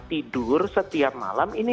tidur setiap malam ini